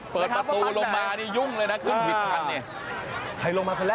เปิดประตูลงมาจึงน่ะคุ้นผิดคันเนี่ย